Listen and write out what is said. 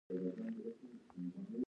هرات د افغانستان په طبیعت کې مهم رول لري.